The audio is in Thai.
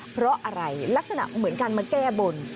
เพราะอะไรลักษณะเหมือนการมาแก้บน